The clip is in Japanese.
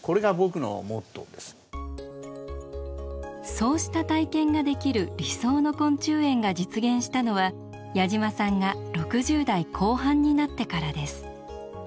そうした体験ができる理想の昆虫園が実現したのは矢島さんが６０代後半になってからです。